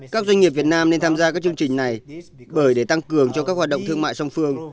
các doanh nghiệp việt nam nên tham gia các chương trình này bởi để tăng cường cho các hoạt động thương mại song phương